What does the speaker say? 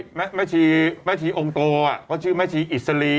ใช่แม่ชีแม่ชีองโตอะก็ชื่อแม่ชีอิสลี